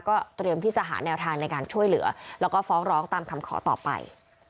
เตรียมที่จะหาแนวทางในการช่วยเหลือแล้วก็ฟ้องร้องตามคำขอต่อไป